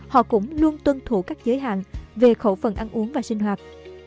họ cũng luôn tuân thủ các giới hạn về khẩu phần ăn uống và sinh hoạt